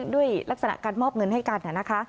ด้วยลักษณะการมอบเงินให้กันนะคะ